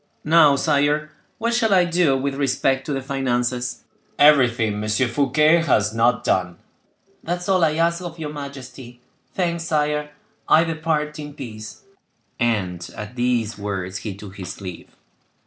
"Now, sire, what shall I do with respect to the finances?" "Everything M. Fouquet has not done." "That is all I ask of your majesty. Thanks, sire, I depart in peace;" and at these words he took his leave.